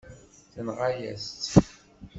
Tenɣa-yas-tt.